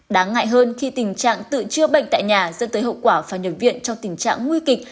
đáng ngại hơn khi tình trạng tự chữa bệnh tại nhà dân tới hậu quả phải nhập viện trong tình trạng nguy kịch